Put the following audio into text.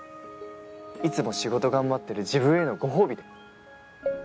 いつも仕事頑張ってる自分へのご褒美で。